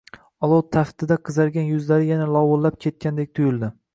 olov taftida qizargan yuzlari yana lovillab ketgandek tuyuldi.